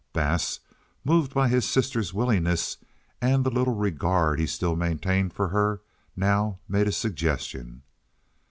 Bass, moved by his sister's willingness and the little regard he still maintained for her, now made a suggestion.